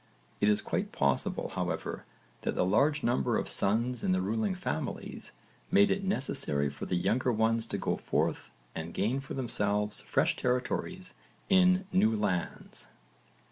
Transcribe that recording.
It is quite possible, however, that the large number of sons in the ruling families made it necessary for the younger ones to go forth and gain for themselves fresh territories in new lands.